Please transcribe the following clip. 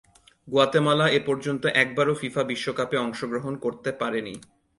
Guatemala এপর্যন্ত একবারও FIFA বিশ্বকাপে অংশগ্রহণ করতে পারেনি।